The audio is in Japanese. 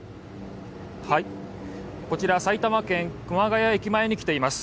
こちら埼玉県熊谷駅前に来ています。